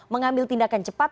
mengambil tindakan cepat